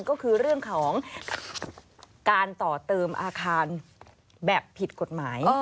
ก็คือเรื่องของการต่อเติมอาคารแบบผิดกฎหมาย